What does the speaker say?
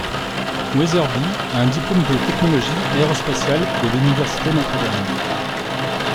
Wetherbee a un diplôme de technologie aérospatiale de l'Université Notre-Dame.